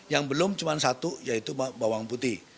yang belum cuma satu yaitu bawang putih